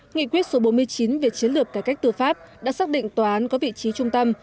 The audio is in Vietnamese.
nghị quyết số bốn mươi chín về chiến lược cải cách tư pháp đã xác định tòa án có vị trí trung tâm